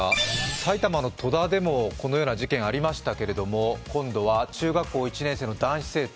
埼玉の戸田でも、このような事件ありましたけど今度は中学校１年生の男子生徒。